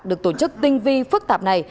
được tổ chức tinh vi phức tạp này